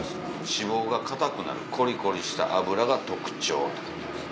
「脂肪が固くなるコリコリした脂が特徴」って書いてます。